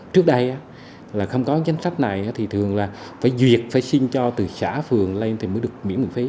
trước đây là không có danh sách này thì thường là phải duyệt phải xin cho từ xã phường lên thì mới được miễn phí